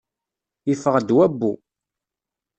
Yeffeɣ-d wabbu.